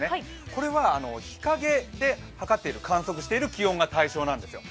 これは日陰で観測している気温が対象なんですよ。